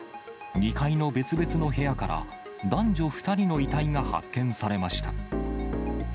２階の別々の部屋から、男女２人の遺体が発見されました。